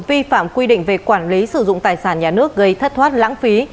vi phạm quy định về quản lý sử dụng tài sản nhà nước gây thất thoát lãng phí